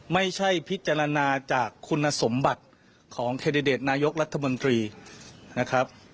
พิจารณาจากคุณสมบัติของแคนดิเดตนายกรัฐมนตรีนะครับ